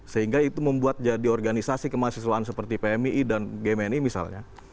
sehingga itu membuat jadi organisasi kemahasiswaan seperti pmi dan gede menilai misalnya